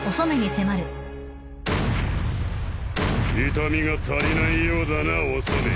痛みが足りないようだなお染